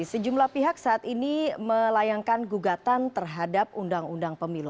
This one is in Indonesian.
sejumlah pihak saat ini melayangkan gugatan terhadap undang undang pemilu